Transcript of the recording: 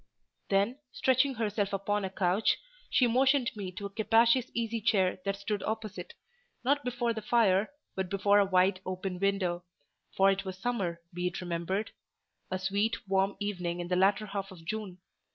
Then, stretching herself upon a couch, she motioned me to a capacious easy chair that stood opposite—not before the fire, but before a wide open window; for it was summer, be it remembered; a sweet, warm evening in the latter half of June.